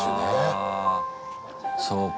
そうか。